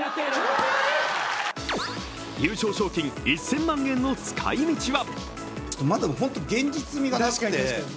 優勝賞金１０００万円の使いみちは？